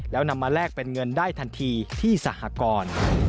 แล้วนำมาแลกเป็นเงินได้ทันทีที่สหกร